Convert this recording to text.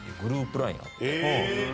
ＬＩＮＥあって。